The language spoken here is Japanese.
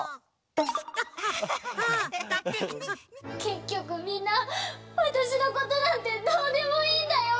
けっきょくみんなわたしのことなんてどうでもいいんだよ！